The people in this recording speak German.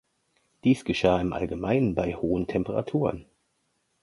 Dies geschah im Allgemeinen bei hohen Temperaturen.